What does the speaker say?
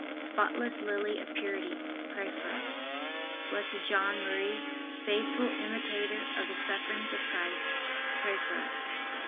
spotless lily of purity, pray for us. B. J. M., faithful imitator of the sufferings of Christ, pray for us.